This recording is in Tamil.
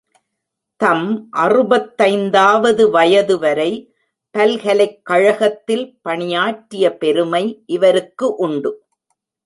தம் அறுபத்தைந்தாவது வயதுவரை பல்கலைக் கழகத்தில் பணியாற்றிய பெருமை இவருக்கு உண்டு.